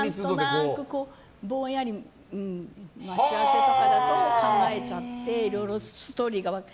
何となく、ぼんやり待ち合わせとかだと考えちゃっていろいろストーリーが湧く。